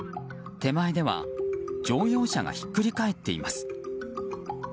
手前では乗用車がひっくり返っています。